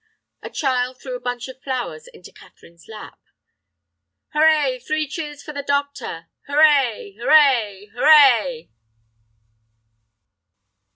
A child threw a bunch of flowers into Catherine's lap. "Hooray! three cheers for the doctor!" "Hooray! hooray! hooray!"